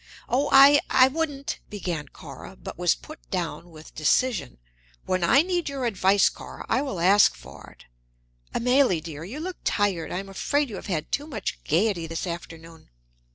"Oh, I I wouldn't," began Cora, but was put down with decision: "When I need your advice, Cora, I will ask for it. Amélie, dear, you look tired; I am afraid you have had too much gaiety this afternoon."